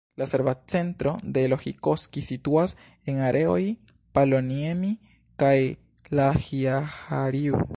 La serva centro de Lohikoski situas en areoj Paloniemi kaj Lahjaharju.